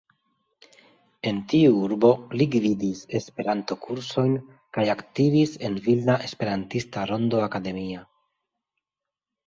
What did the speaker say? En tiu urbo li gvidis Esperanto-kursojn kaj aktivis en Vilna Esperantista Rondo Akademia.